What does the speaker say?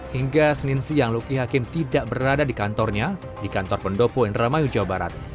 hingga senin siang luki hakim tidak berada di kantornya di kantor pendopo indramayu jawa barat